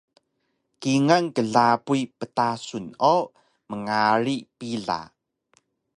kingal klabuy ptasun o mngari pila